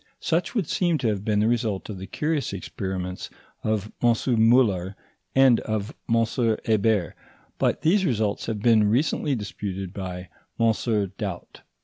Such would seem to have been the result of the curious experiments of M. Muller and of M. Ebert, but these results have been recently disputed by M. Doubt.